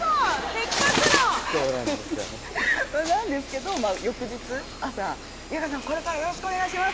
せっかくのそうなんですよねなんですけど翌日朝「有果さんこれからよろしくお願いします！」